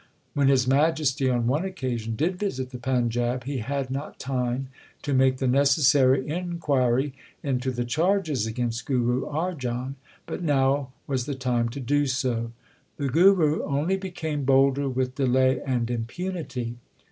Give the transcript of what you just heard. When His Majesty on one occasion did visit the Panjab, he had not time to make the necessary inquiry into the charges against Guru Arjan, but now was the time to do so. The Guru only became bolder with delay and impunity.